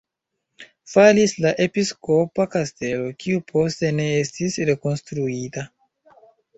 Falis la episkopa kastelo, kiu poste ne estis rekonstruita.